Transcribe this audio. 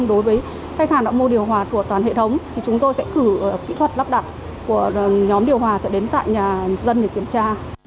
đối với khách hàng đã mua điều hòa của toàn hệ thống thì chúng tôi sẽ cử kỹ thuật lắp đặt của nhóm điều hòa sẽ đến tại nhà dân để kiểm tra